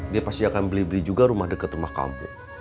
dia pasti akan beli beli juga rumah dekat rumah kampung